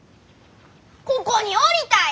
ここにおりたい！